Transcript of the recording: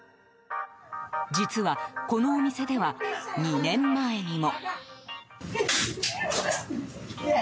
実は、このお店では２年前にも。